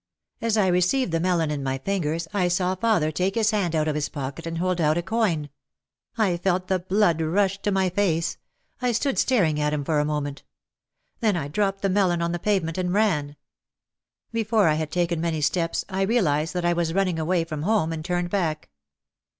As I received the melon in my fingers I saw father take his hand out of his pocket and hold out a coin. I felt the blood rush to my face. I stood staring at him for a moment. Then I dropped the melon on the pave ment and ran. Before I had taken many steps I realised that I was running away from home and turned back.